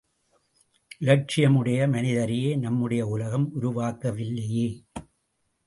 இலட்சியம் உடைய மனிதரையே நம்முடைய உலகம் உருவாக்கவில்லையே!